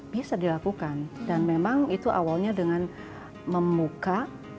biasa dilakukan dan memang itu awalnya dengan memuka